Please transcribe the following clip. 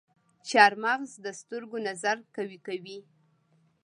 چارمغز د سترګو نظر قوي کوي.